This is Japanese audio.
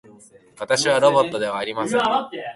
私はロボットではありません。